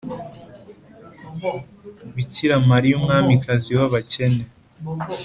bikira mariya umwamikazi w’abakene.